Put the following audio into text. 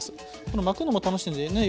この巻くのも楽しいんでね